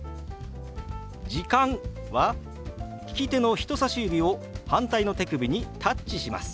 「時間」は利き手の人さし指を反対の手首にタッチします。